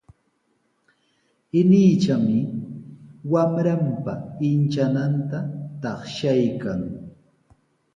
Inichami wamranpa inchananta taqshaykan.